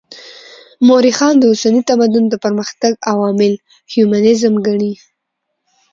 مؤرخان د اوسني تمدن د پرمختګ عوامل هیومنيزم ګڼي.